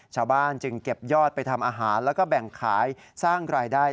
ชาวบ้านจึงเก็บยอดไปทำอาหารแล้วก็แบ่งขายสร้างรายได้